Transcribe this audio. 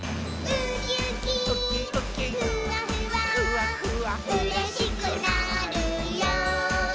「うれしくなるよ」